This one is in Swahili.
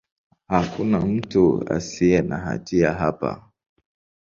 Hakuna mtu asiye na hatia hapa.